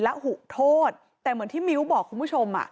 และหุโทษแต่เหมือนที่มิ้วบอกคุณผู้ชม